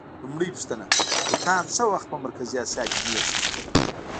لومړۍ پوښتنه: ترکان څه وخت په مرکزي اسیا کې مېشت شول؟